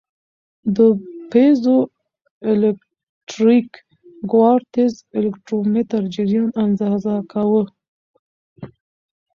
د پیزوالکتریک کوارتز الکترومتر جریان اندازه کاوه.